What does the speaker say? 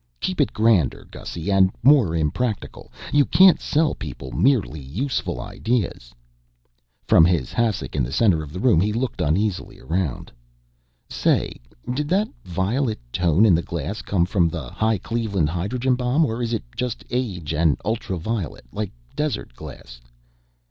Keep it grander, Gussy, and more impractical you can't sell people merely useful ideas." From his hassock in the center of the room he looked uneasily around. "Say, did that violet tone in the glass come from the high Cleveland hydrogen bomb or is it just age and ultraviolet, like desert glass?"